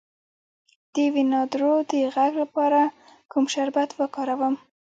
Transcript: د وینادرو د غږ لپاره کوم شربت وکاروم؟